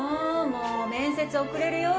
もう面接遅れるよ